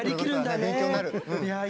勉強になる。